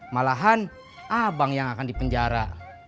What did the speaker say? malahan abang yang akan dipenjara